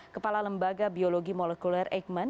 kepala lembaga biologi molekuler eijkman